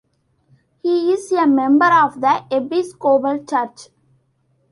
He is a member of the Episcopal Church.